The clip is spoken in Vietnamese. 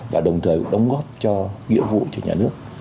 và đồng thời đóng góp cho nghĩa vụ cho nhà nước